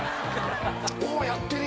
おっやってる！